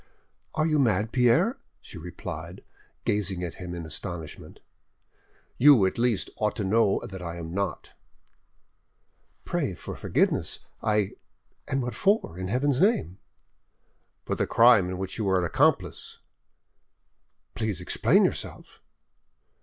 "Are you mad, Pierre?" she replied, gazing at him in astonishment. "You, at least, ought to know that I am not." "Pray for forgiveness—I—! and what for, in Heaven's name?" "For the crime in which you are an accomplice." "Please explain yourself."